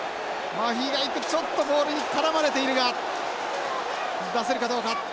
マフィがいってちょっとボールに絡まれているが出せるかどうか。